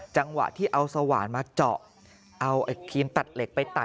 จังหวะที่เอาสว่านมาเจาะเอาไอ้ครีมตัดเหล็กไปตัด